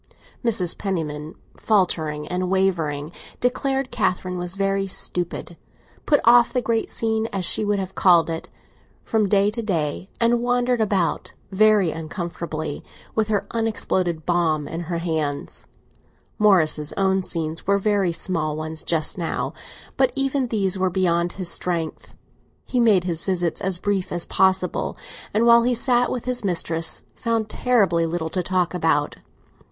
Mrs. Penniman, faltering and wavering, declared Catherine was very stupid, put off the great scene, as she would have called it, from day to day, and wandered about very uncomfortably, primed, to repletion, with her apology, but unable to bring it to the light. Morris's own scenes were very small ones just now; but even these were beyond his strength. He made his visits as brief as possible, and while he sat with his mistress, found terribly little to talk about.